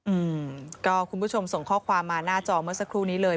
อืมก็คุณผู้ชมส่งข้อความมาหน้าจอเมื่อสักครู่นี้เลย